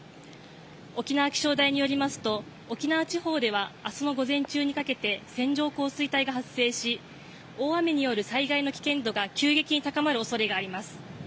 沖縄気象台によりますと沖縄地方では明日の午前中にかけて線状降水帯が発生し大雨による災害の危険度が急激に高まる恐れがあります。